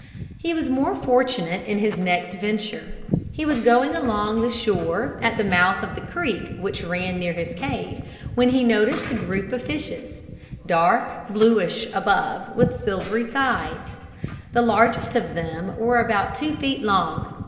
He was more fortunate in his next venture. He was going along the shore at the mouth of the creek which ran near his cave when he noticed a group of fishes, dark bluish above with silvery sides. The largest of them were about two feet long.